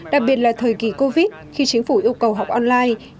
đặc biệt là thời kỳ covid khi chính phủ yêu cầu học online